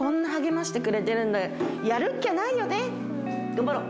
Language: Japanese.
頑張ろう。